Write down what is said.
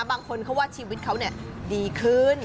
บางคนเขาว่าชีวิตเขาดีขึ้น